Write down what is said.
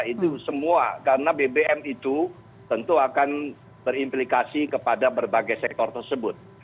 itu semua karena bbm itu tentu akan berimplikasi kepada berbagai sektor tersebut